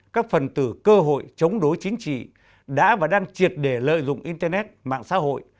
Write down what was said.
các phần tử cơ hội chống đối chính trị đã và đang triệt để lợi dụng internet mạng xã hội